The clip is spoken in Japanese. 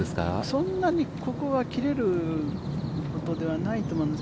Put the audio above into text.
そんなにここは切れるほどではないと思います。